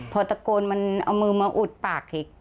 พอตะโกนมันเอามือมาอุดปากอีก